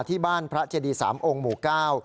ที่บ้านพระเจดีสามองค์หมู่เก้า